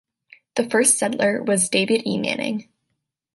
The first settler was David E. Manning.